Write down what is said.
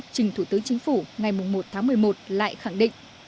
trình thủ tướng chính phủ ngày một tháng một mươi một lại khẳng định